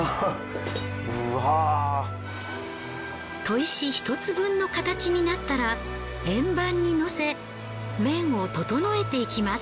砥石１つ分の形になったら円盤に乗せ面を整えていきます。